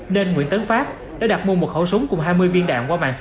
nên nguyễn tấn pháp đã đặt mua một khẩu súng cùng hai mươi viên đạn qua mặt